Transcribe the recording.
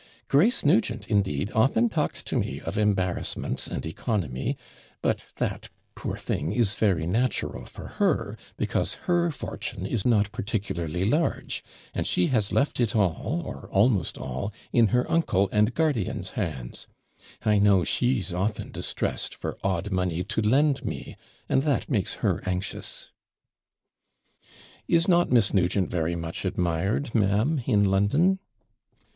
Grace Nugent, indeed, often talks to me of embarrassments and economy; but that, poor thing, is very natural for her, because her fortune is not particularly large, and she has left it all, or almost all, in her uncle and guardian's hands. I know she's often distressed for odd money to lend me, and that makes her anxious.' 'Is not Miss Nugent very much admired, ma'am, in London?'